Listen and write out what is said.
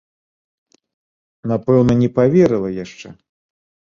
Напэўна, не паверыла яшчэ.